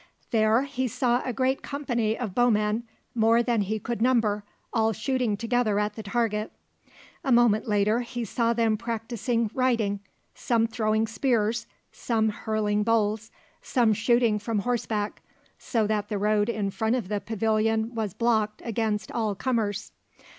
There he saw a great company of bowmen, more than he could number, all shooting together at the target. A moment later he saw them practising riding, some throwing spears, some hurling bowls, some shooting from horseback, so that the road in front of the pavilion was blocked against all comers.